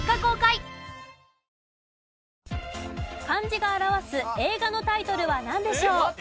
漢字が表す映画のタイトルはなんでしょう？